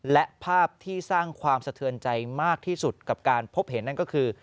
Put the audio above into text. และภาพที่สร้างความสะเทือนใจมากที่สุดกับการพบเห็นนั่นก็คือ